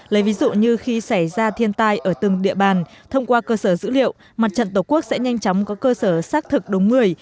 lấy ví dụ như khi xảy ra thiên tai ở từng địa bàn thông qua cơ sở dữ liệu mặt trận tổ quốc sẽ nhanh chóng có cơ sở xác thực đúng người